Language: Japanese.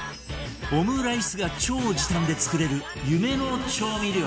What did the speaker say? オムライスが超時短で作れる夢の調味料